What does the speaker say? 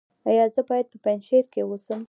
ایا زه باید په پنجشیر کې اوسم؟